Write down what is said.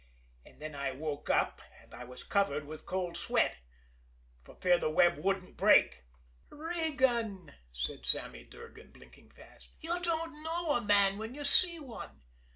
And then I woke up, and I was covered with cold sweat for fear the web wouldn't break." "Regan," said Sammy Durgan, blinking fast, "you don't know a man when you see one.